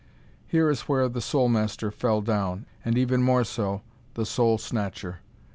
Here is where "The Soul Master" fell down, and, even more so, "The Soul Snatcher."